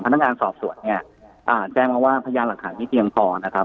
พนักงานสอบสวนเนี่ยอ่าแจ้งมาว่าพยานหลักฐานไม่เพียงพอนะครับ